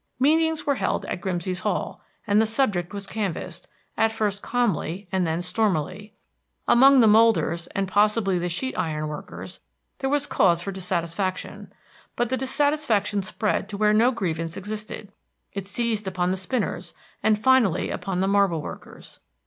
Meetings were held at Grimsey's Hall and the subject was canvassed, at first calmly and then stormily. Among the molders, and possibly the sheet iron workers, there was cause for dissatisfaction; but the dissatisfaction spread to where no grievance existed; it seized upon the spinners, and finally upon the marble workers.